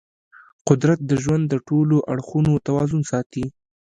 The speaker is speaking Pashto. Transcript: قدرت د ژوند د ټولو اړخونو توازن ساتي.